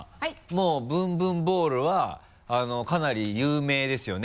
もうぶんぶんボウルはかなり有名ですよね？